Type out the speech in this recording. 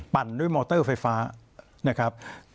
ด้วยมอเตอร์ไฟฟ้านะครับ